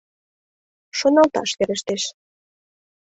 — Шоналташ верештеш.